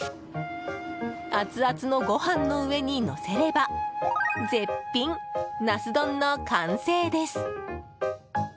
アツアツのご飯の上にのせれば絶品ナス丼の完成です。